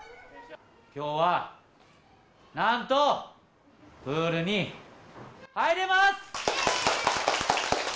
きょうは、なんと、プールに入れます！